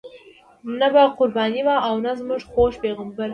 نه به قرباني وه او نه زموږ خوږ پیغمبر.